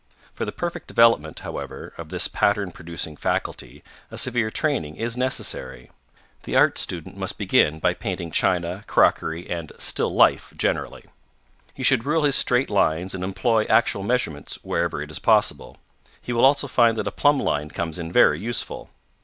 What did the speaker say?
For the perfect development, however, of this pattern producing faculty a severe training is necessary. The art student must begin by painting china, crockery, and 'still life' generally. He should rule his straight lines and employ actual measurements wherever it is possible. He will also find that a plumb line comes in very useful.